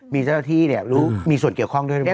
มีเจ้าที่เนี่ยรู้มีส่วนเกี่ยวข้องด้วยหรือไม่